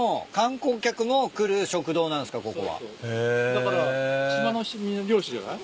だから島の漁師じゃない？